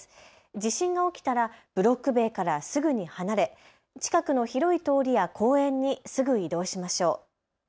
地震が起きたらブロック塀からすぐに離れ近くの広い通りや公園にすぐ移動しましょう。